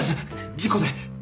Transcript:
事故で。